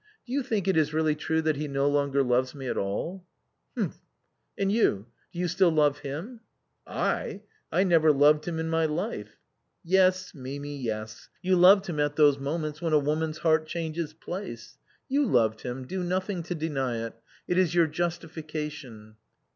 Do you think it is really true that he no longer loves me at all ?"" Humph — and you, do you still love him ?" "I ! I never loved him in my life." " Yes, Mimi, yes. You loved him at those moments when a woman's heart changes place. You loved him; do nothing to deny it; it is your justification."